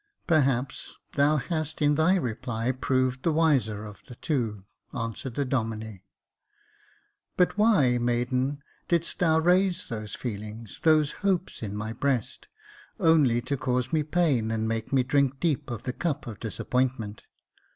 "Perhaps thou hast in thy reply proved the wiser of the two," answered the Domine ;" but why, maiden, didst thou raise those feelings, those hopes in my breast, only to cause me pain, and make me drink deep of the cup of disappointment